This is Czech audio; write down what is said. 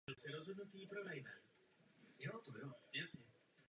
Zajišťuje projekty na opravy a jejich finanční spoluúčast.